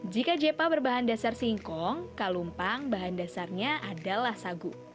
jika jepa berbahan dasar singkong kalumpang bahan dasarnya adalah sagu